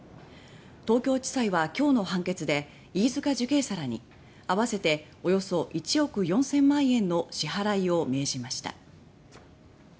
東京地裁は今日の判決で飯塚受刑者らに合わせておよそ１億４０００万円の支払いを命じました。